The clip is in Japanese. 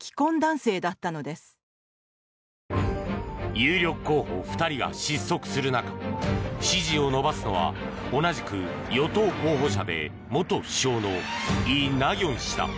有力候補２人が失速する中支持を伸ばすのは同じく与党候補者で元首相のイ・ナギョン氏だ。